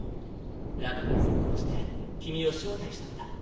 だからこそこうしてキミを招待したのだ。